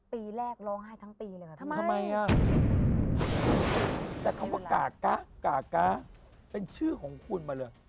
ปีแรกลองให้ทั้งปีเลย